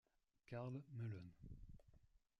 Karl Melon.